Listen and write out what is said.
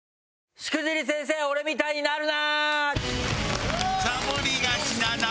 『しくじり先生俺みたいになるな！！』！